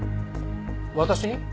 私に？